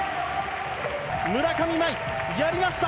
村上茉愛、やりました。